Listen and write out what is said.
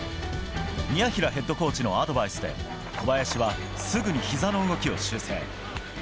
宮平ヘッドコーチのアドバイスで、小林はすぐにひざの動きを修正。